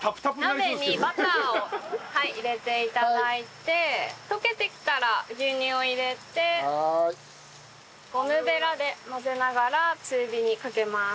鍋にバターを入れて頂いて溶けてきたら牛乳を入れてゴムべらで混ぜながら中火にかけます。